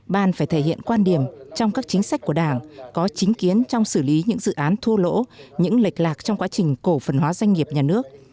bàn phải thể hiện quan điểm trong các chính sách của đảng có chính kiến trong xử lý những dự án thua lỗ những lệch lạc trong quá trình cổ phần hóa doanh nghiệp nhà nước